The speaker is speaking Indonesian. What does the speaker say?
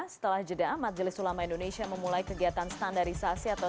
setelah jeda amat jalil sulama indonesia memulai kegiatan standarisasi atau